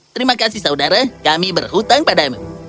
terima kasih saudara kami berhutang padamu